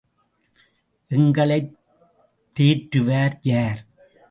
எங்களைத் தேற்றுவார் யார்?